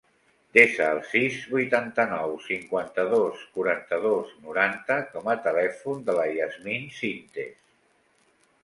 Desa el sis, vuitanta-nou, cinquanta-dos, quaranta-dos, noranta com a telèfon de la Yasmine Sintes.